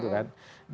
banyak anak anak muda